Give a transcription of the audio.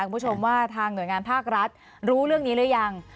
คุณผู้ชมว่าทางหน่วยงานภาครัฐรู้เรื่องนี้หรือยัง